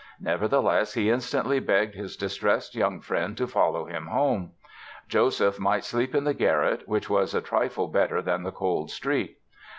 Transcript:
Nevertheless he instantly begged his distressed young friend to follow him home. Joseph might sleep in the garret, which was a trifle better than the cold street.